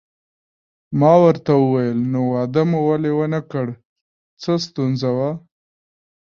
ما ورته وویل: نو واده مو ولې ونه کړ، څه ستونزه وه؟